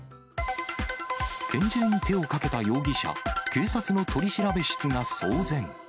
拳銃に手をかけた容疑者、警察の取調室が騒然。